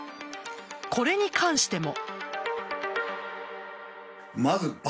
これに関しても。